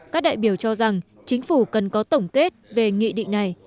các đại biểu cho rằng chính phủ cần có tổng kết về nghị định này